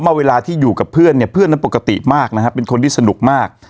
ว่าเวลาที่อยู่กับเพื่อนเนี่ยเพื่อนนั้นปกติมากนะฮะเป็นคนที่สนุกมาก